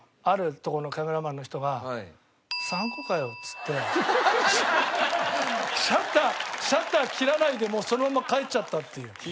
あるとこのカメラマンの人が「３個かよ」っつってシャッターシャッター切らないでもうそのまま帰っちゃったっていう。